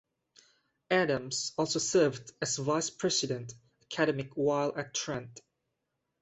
Adams also served as Vice President - Academic while at Trent.